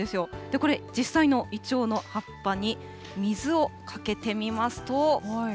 これ、実際にイチョウの葉っぱに水をかけてみますと。